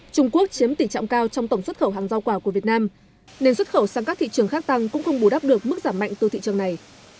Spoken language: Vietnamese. trung quốc chiếm tỷ trọng cao trong tổng xuất khẩu hàng giao quả của việt nam nên xuất khẩu sang các thị trường khác tăng cũng không bù đắp được mức giảm mạnh từ thị trường này